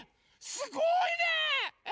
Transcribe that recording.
すごいね！